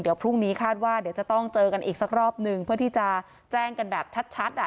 เดี๋ยวพรุ่งนี้คาดว่าเดี๋ยวจะต้องเจอกันอีกสักรอบหนึ่งเพื่อที่จะแจ้งกันแบบชัดอ่ะ